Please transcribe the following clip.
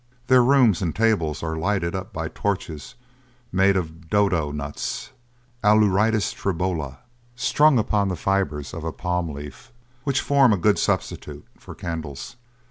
Their rooms and table are lighted up by torches made of doodoe nuts (Aleurites triloba), strung upon the fibres of a palm leaf, which form a good substitute for candles.